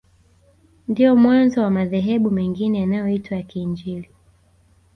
Ndio mwanzo wa madhehebu mengine yanayoitwa ya Kiinjili